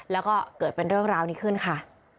แล้วก็เกิดเป็นเรื่องราวนี้ขึ้นค่ะ